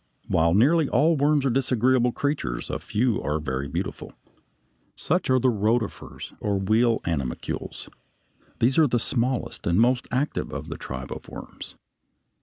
While nearly all worms are disagreeable creatures, a few are very beautiful. Such are the rotifers or wheel animalcules (Fig. 65). These are the smallest and most active of the tribe of worms.